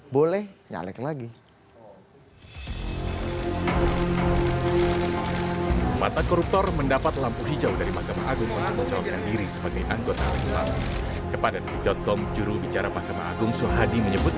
bunyinya kurang lebih